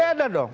ya ada dong